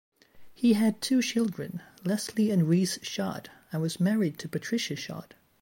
He had two children, Leslie and Rees Shad, and was married to Patricia Shad.